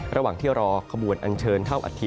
ระหว่างที่รอขบวนอันเชิญเท่าอัฐิ